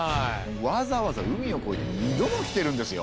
わざわざ海をこえて２度も来てるんですよ。